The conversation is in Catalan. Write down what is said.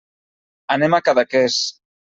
Anem a Cadaqués.